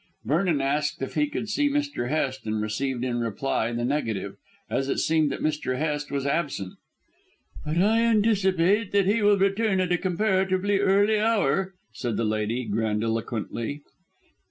Vernon asked if he could see Mr. Hest and received a reply in the negative, as it seemed that Mr. Hest was absent. "But I anticipate that he will return at a comparatively early hour," said the lady grandiloquently.